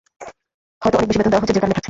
হয়তো অনেক বেশি বেতন দেয়া হচ্ছে, যে-কারণে থাকছে।